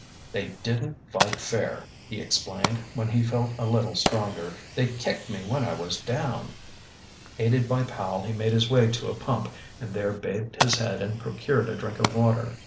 "They didn't fight fair," he explained, when he felt a little stronger. "They kicked me when I was down." Aided by Powell he made his way to a pump and there bathed his head and procured a drink of water.